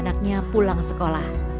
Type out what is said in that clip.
setelah anaknya pulang sekolah